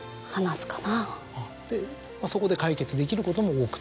そこで解決できることも多くて？